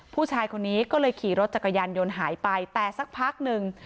ผู้ชายคนนี้ก็เลยขี่รถจักรยานยนต์หายไปแต่สักพักหนึ่ง